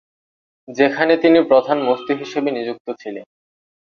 যেখানে তিনি প্রধান মুফতি হিসাবে নিযুক্ত ছিলেন।